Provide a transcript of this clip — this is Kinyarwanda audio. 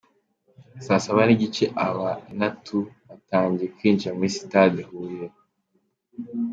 Saa saba n'igice abanatu batangiye kwinjira muri sitade Huye.